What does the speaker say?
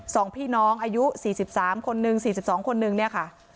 สองพี่น้องอายุ๔๓คนนึง๔๒คนนึงเนี่ยค่ะ